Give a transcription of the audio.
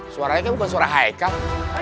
suaranya kan bukan suara haikal